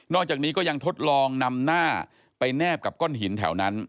อกจากนี้ก็ยังทดลองนำหน้าไปแนบกับก้อนหินแถวนั้น